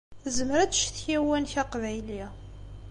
Tezmer ad tcetki i uwanek aqbayli.